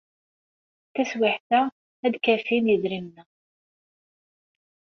Taswiɛt-a, ad d-kafin yedrimen-a.